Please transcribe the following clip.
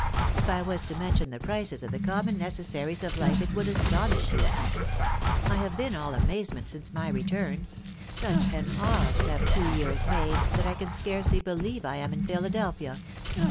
If I was to mention the prices of the common necessaries of life it would astonish you. I have been all amazement since my return; such an odds have two years made, that I can scarcely believe I am in Philadelphia..